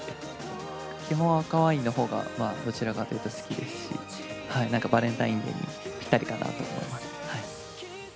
基本赤ワインのほうが、どちらかというと好きですし、なんかバレンタインデーにぴったりかなと思います。